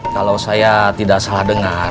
kalau saya tidak salah dengar